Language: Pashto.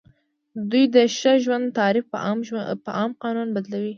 دوی د ښه ژوند تعریف په عام قانون بدلوي.